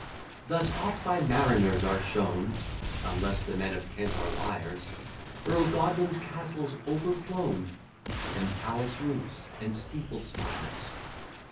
Thus oft by mariners are shown (Unless the men of Kent are liars) Earl Godwin's castles overflown, And palace roofs, and steeple spires.